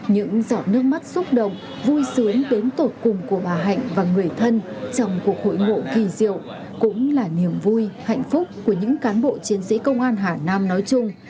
những giọt nước mắt xúc động vui sướng đến cội cùng của bà hạnh và người thân trong cuộc hội ngộ kỳ diệu cũng là niềm vui hạnh phúc của những cán bộ chiến sĩ công an hà nam nói chung